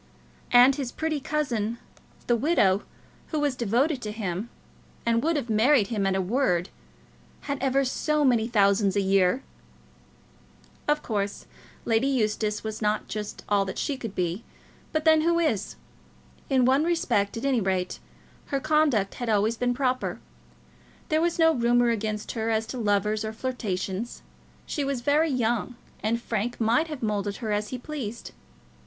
And his pretty cousin, the widow, who was devoted to him, and would have married him at a word, had ever so many thousands a year! Of course, Lizzie Eustace was not just all that she should be; but then who is? In one respect, at any rate, her conduct had always been proper. There was no rumour against her as to lovers or flirtations. She was very young, and Frank might have moulded her as he pleased.